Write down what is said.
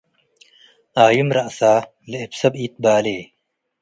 ኣይም ረአሰ ለእብ ሰብ ኢትባሌ